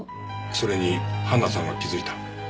それにハンナさんが気づいた。